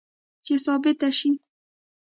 چې ثابته شي